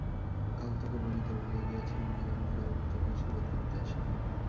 কাল তোকে বলিতে ভুলিয়া গিয়াছিলাম, আজ অন্নদাবাবু তোকে আশীর্বাদ করিতে আসিবেন।